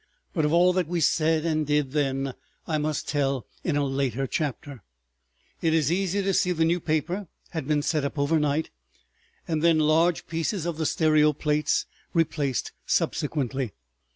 But of all that we said and did then I must tell in a later chapter. ... It is easy to see the New Paper had been set up overnight, and then large pieces of the stereo plates replaced subsequently.